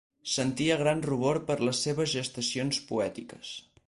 Sentia gran rubor per les seves gestacions poètiques